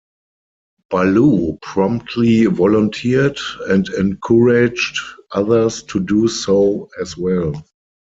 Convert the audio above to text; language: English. Ballou promptly volunteered, and encouraged others to do so as well.